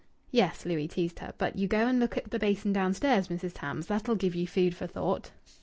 "Yes," Louis teased her, "but you go and look at the basin downstairs, Mrs. Tams. That'll give you food for thought."